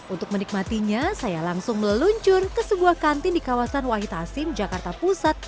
untuk menikmatinya saya langsung meluncur ke sebuah kantin di kawasan wahid hasim jakarta pusat